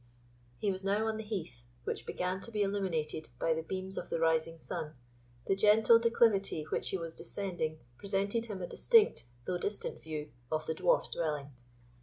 He was now on the heath, which began to be illuminated by the beams of the rising sun; the gentle declivity which he was descending presented him a distinct, though distant view, of the Dwarf's dwelling.